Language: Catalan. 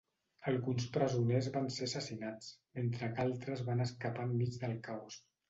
Alguns presoners van ser assassinats, mentre que altres van escapar enmig del caos.